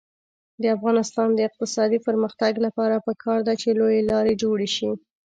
د افغانستان د اقتصادي پرمختګ لپاره پکار ده چې لویې لارې جوړې شي.